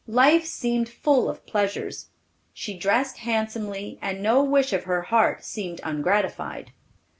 Life seemed full of pleasures. She dressed handsomely, and no wish of her heart seemed ungratified.